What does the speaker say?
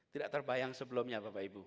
tidak terbayang sebelumnya bapak ibu